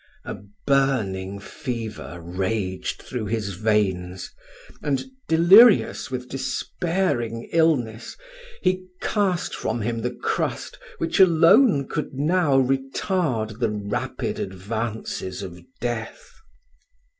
A burning fever raged through his veins; and, delirious with despairing illness, he cast from him the crust which alone could now retard the rapid advances of death.